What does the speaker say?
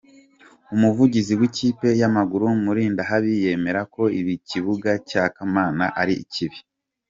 Umuvugizi w'ikipe ya Mukura, Murindahabi yemera ko ikibuga cya Kamana ari kibi.